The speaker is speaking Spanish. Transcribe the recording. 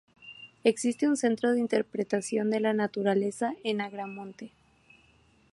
Existe un Centro de Interpretación de la Naturaleza en Agramonte.